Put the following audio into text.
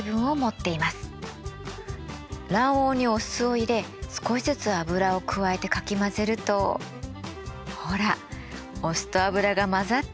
卵黄にお酢を入れ少しずつ油を加えてかき混ぜるとほらお酢と油が混ざっていくでしょ。